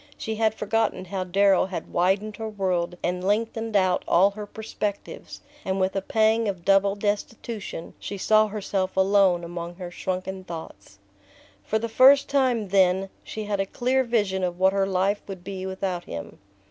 She had forgotten how Darrow had widened her world and lengthened out all her perspectives, and with a pang of double destitution she saw herself alone among her shrunken thoughts. For the first time, then, she had a clear vision of what her life would be without him.